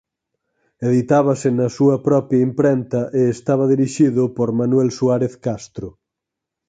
Editábase na súa propia imprenta e estaba dirixido por Manuel Suárez Castro.